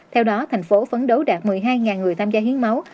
theo đó tp hcm phấn đấu đạt một mươi hai người tham gia hiến máu